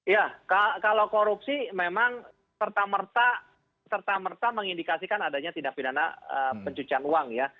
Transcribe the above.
ya kalau korupsi memang serta merta mengindikasikan adanya tindak pidana pencucian uang ya